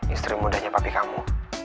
istri mudanya papi kamu